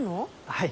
はい。